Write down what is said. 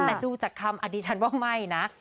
แต่ดูจากคำอันนี้ฉันว่าไม่นะ